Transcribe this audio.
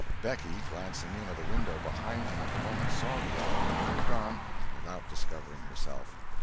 Becky, glancing in at a window behind him at the moment, saw the act, and moved on, without discovering herself.